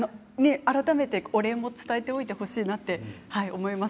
改めてお礼を伝えておいてほしいなと思います。